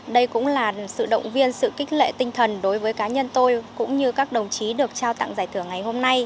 đây cũng là sự động viên sự kích lệ tinh thần đối với cá nhân tôi cũng như các đồng chí được trao tặng giải thưởng ngày hôm nay